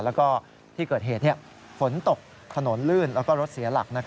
แล้วก็ที่เกิดเหตุฝนตกถนนลื่นแล้วก็รถเสียหลัก